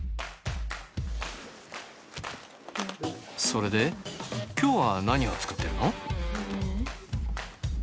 それで今日は何を作ってるの？